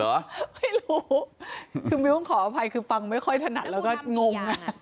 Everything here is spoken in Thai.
ไม่รู้คือมิ้วต้องขออภัยคือฟังไม่ค่อยถนัดแล้วก็งง